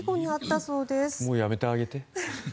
もう、やめてあげて。